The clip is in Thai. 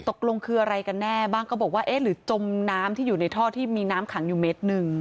ตกลงคืออะไรกันแน่บ้างก็บอกว่าเอ๊ะหรือจมน้ำที่อยู่ในท่อที่มีน้ำขังอยู่เมตรหนึ่ง